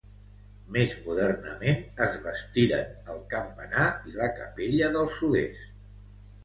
Més modernament es bastiren el campanar i la capella del sud-est.